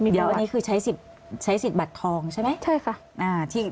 เดี๋ยวอันนี้คือใช้สิทธิ์บัตรทองใช่ไหมใช่ค่ะ